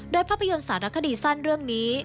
โดยภาพยนตร์สารคดีสั้นเรื่องนี้